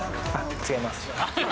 違います。